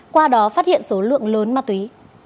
qua đó phát hiện số lượng lớn ma tuy